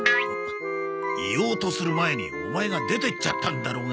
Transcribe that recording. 言おうとする前にオマエが出て行っちゃったんだろうが。